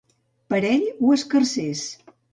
Parell o escarcers?